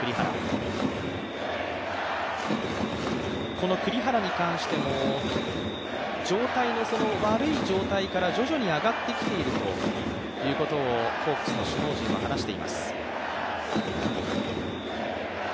この栗原に関しても、状態の悪い状態から徐々に上がってきているということを、ホークスの首脳陣は話しています。